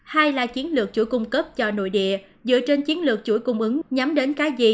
hai là chiến lược chuỗi cung cấp cho nội địa dựa trên chiến lược chuỗi cung ứng nhắm đến cái gì